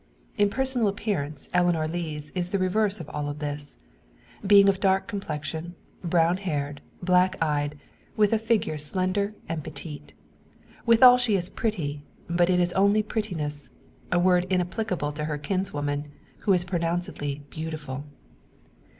In personal appearance Eleanor Lees is the reverse of all this; being of dark complexion, brown haired, black eyed, with a figure slender and petite. Withal she is pretty; but it is only prettiness a word inapplicable to her kinswoman, who is pronouncedly beautiful.